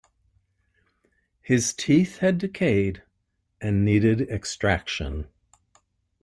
His teeth had decayed and needed extraction.